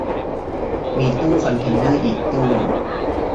มีตู้คอนเทนเนอร์อีกตู้